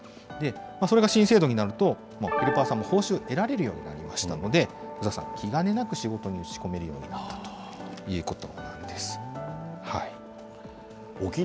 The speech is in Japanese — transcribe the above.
それが新制度になると、ヘルパーさんも報酬を得られるようになりましたので、薄田さん、気兼ねなく仕事に打ち込めるようになったということなんです。